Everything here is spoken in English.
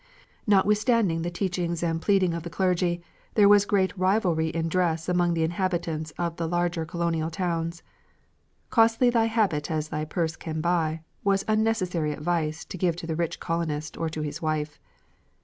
Notwithstanding the teachings and pleadings of the clergy, there was great rivalry in dress among the inhabitants of the larger colonial towns. "Costly thy habit as thy purse can buy," was unnecessary advice to give to the rich colonist or to his wife.